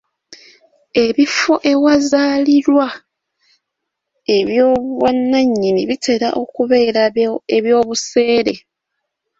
Ebifo ewazaalirwa eby'obwannannyini bitera okuba eby'obuseere.